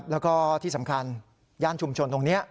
แล้วก็ที่สำคัญย่านชุมชนตรงนี้